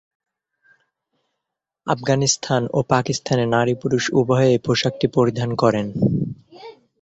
আফগানিস্তান ও পাকিস্তানে নারী-পুরুষ উভয়েই পোশাকটি পরিধান করেন।